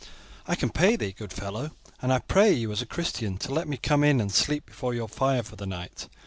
I can pay thee, good fellow, and I pray you as a Christian to let me come in and sleep before your fire for the night.